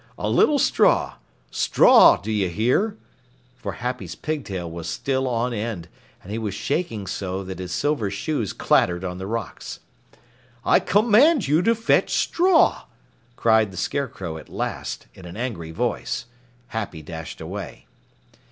A little straw straw, do you hear?" For Happy's pigtail was still on end, and he was shaking so that his silver shoes clattered on the rocks. "I command you to fetch straw!" cried the Scarecrow at last, in an angry voice. Happy dashed away.